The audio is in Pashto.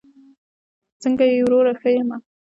څنګه یې وروره؟ ښه یمه